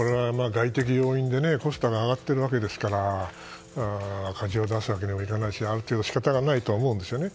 外的要因でコストが上がっているわけですから赤字を出すわけにもいかないしある程度仕方がないと思うんですね。